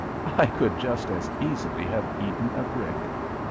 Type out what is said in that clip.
I could just as easily have eaten a brick.